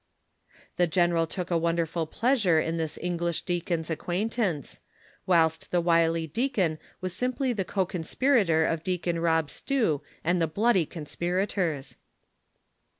The general took a wonderful pleasure in this English deacon's acquaintance, wliilst the wily deacon was simply the co conspirator of Deacon Rob Stew and the bloody con sjiiriitors.